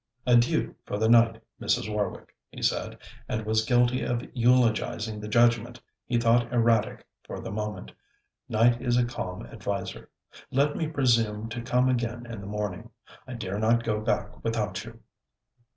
'Adieu, for the night, Mrs. Warwick,' he said, and was guilty of eulogizing the judgement he thought erratic for the moment. 'Night is a calm adviser. Let me presume to come again in the morning. I dare not go back without you.'